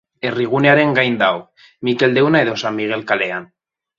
Herrigunearen gain dago, Mikel Deuna edo San Migel kalean.